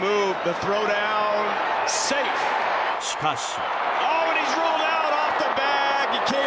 しかし。